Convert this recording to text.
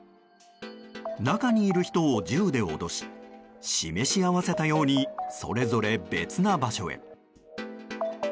中にいる人を銃で脅し示し合わせたようにそれぞれ別な場所へ。